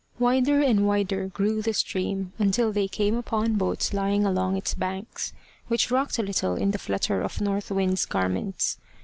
Wider and wider grew the stream, until they came upon boats lying along its banks, which rocked a little in the flutter of North Wind's garments.